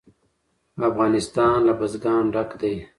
افغانستان له بزګان ډک دی.